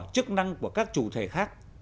chức năng của các chủ thể khác